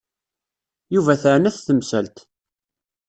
Yuba teɛna-t temsalt.